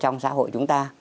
trong xã hội chúng ta